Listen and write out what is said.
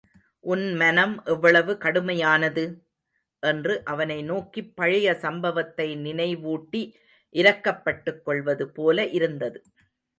உன் மனம் எவ்வளவு கடுமையானது? என்று அவனை நோக்கிப் பழைய சம்பவத்தை நினைவூட்டி இரக்கப்பட்டுக் கொள்வது போல இருந்தது.